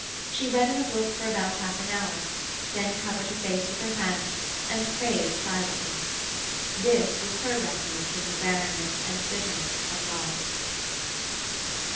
She read in the book for about half an hour, then covered her face with her hands and prayed silently. This was her refuge from the barrenness and bitterness of life.